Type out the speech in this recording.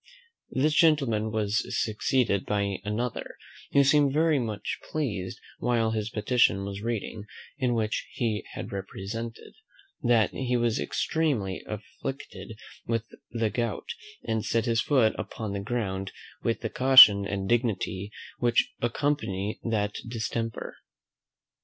This gentleman was succeeded by another, who seemed very much pleased while his petition was reading, in which he had represented, That he was extremely afflicted with the gout, and set his foot upon the ground with the caution and dignity which accompany that distemper.